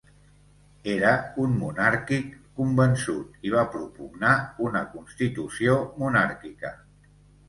Era un monàrquic convençut i va propugnar una constitució monàrquica.